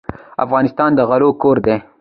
افغانستان د غلو کور دی.